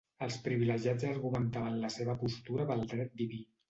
Els privilegiats argumentaven la seva postura pel dret diví.